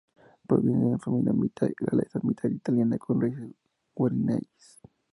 Proviene de una familia mitad galesa mitad italiana y con raíces guaraníes.